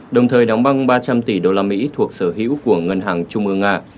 đồng thời đóng băng ba trăm linh tỷ đô la mỹ thuộc sở hữu của ngân hàng trung ương nga